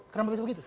kenapa bisa begitu